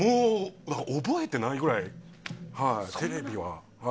覚えてないぐらい、テレビは。